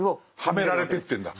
はめられてってるんだ。